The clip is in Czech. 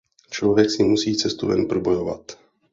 Člověk si musí cestu ven probojovat.